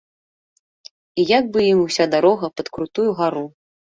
І як бы ім уся дарога пад крутую гару.